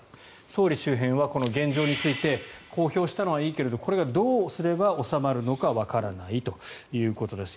総理周辺はこの現状について公表したのはいいけれどこれがどうすれば収まるのかわからないということです。